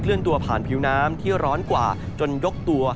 เลื่อนตัวผ่านผิวน้ำที่ร้อนกว่าจนยกตัว